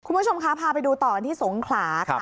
คุณผู้ชมคะพาไปดูต่อกันที่สงขลาค่ะ